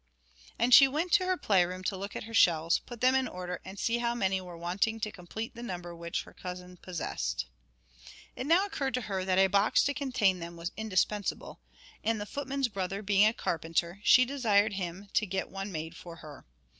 And she went to her play room to look at her shells, put them in order, and see how many were wanting to complete the number which her cousin possessed. It now occurred to her that a box to contain them was indispensable, and the footman's brother being a carpenter, she desired him to get one made for her.